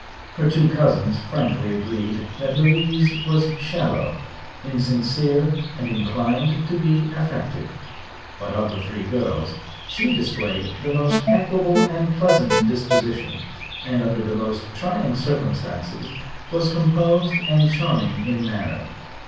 Her two cousins frankly agreed that Louise was shallow, insincere and inclined to be affected; but of the three girls she displayed the most equable and pleasant disposition and under the most trying circumstances was composed and charming in manner.